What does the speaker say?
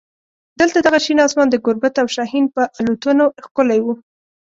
دلته دغه شین اسمان د ګوربت او شاهین په الوتنو ښکلی و.